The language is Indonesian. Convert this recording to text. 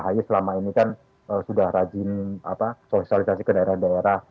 karena yang pertama ini kan sudah rajin sosialisasi ke daerah daerah